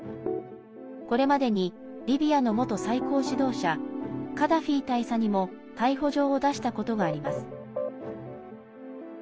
これまでにリビアの元最高指導者カダフィ大佐にも逮捕状を出したことがあります。